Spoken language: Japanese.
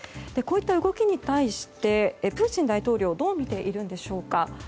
こういった動きに対してプーチン大統領はどう見ているんでしょうか。